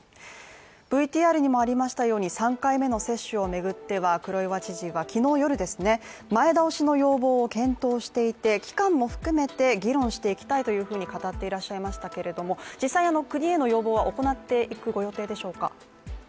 ＶＴＲにもありましたように３回目の接種を巡っては黒岩知事はきのう夜ですね前倒しの要望を検討していて期間も含めて議論していきたいというふうに語っていらっしゃいましたけれども、実際あの国への要望は行っていくご予定でしょうか？